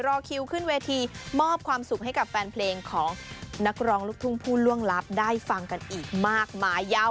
รอคิวขึ้นเวทีมอบความสุขให้กับแฟนเพลงของนักร้องลูกทุ่งผู้ล่วงลับได้ฟังกันอีกมากมายยาว